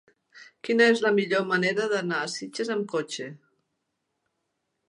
Quina és la millor manera d'anar a Sitges amb cotxe?